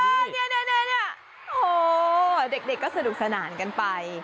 นี่โอ้เด็กก็สะดุกสนานกันไป